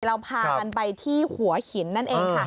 เราพากันไปที่หัวหินนั่นเองค่ะ